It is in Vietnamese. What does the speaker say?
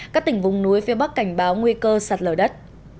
các tỉnh vùng núi phía bắc cảnh báo nguy cơ sạt lở đất